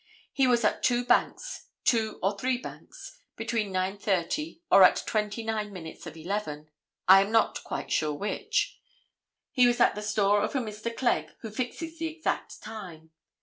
He was at two banks, two or three banks, between 9:30 or at twenty nine minutes of 11—I am not quite sure which—he was at the store of a Mr. Clegg, who fixes the exact time.